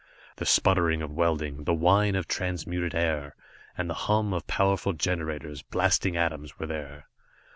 The sputter of welding, the whine of transmuted air, and the hum of powerful generators, blasting atoms were there.